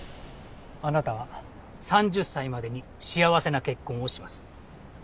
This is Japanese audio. あなたは３０歳までに幸せな結婚をします。